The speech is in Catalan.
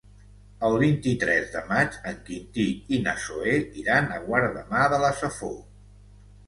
El vint-i-tres de maig en Quintí i na Zoè iran a Guardamar de la Safor.